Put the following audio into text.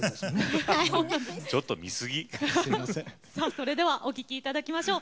それではお聴きいただきましょう。